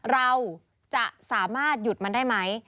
เราจะสามารถหยุดมันได้ไหม